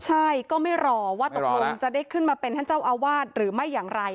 ใช่ก็ไม่รอว่าตกลงจะได้ขึ้นมาเป็นท่านเจ้าอาวาสหรือไม่อย่างไร